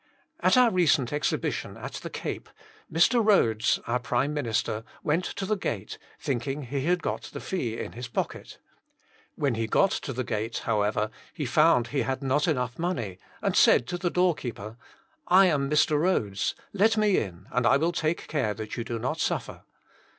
" At our recent exhibi tion at the Cape, Mr. Rhodes, our Prime Minister, went to the gate, thinking he had got the fee in his pocket. When he got to the gate, however, he found he had not enough money, and said to the door keeper, *< I am Mr. Rhodes ; let me in and I will take care you do not suffer.